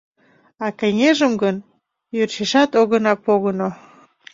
А кеҥежым гын, йӧршешат огына погыно.